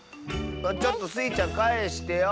ちょっとスイちゃんかえしてよ。